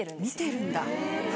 見てるんだ。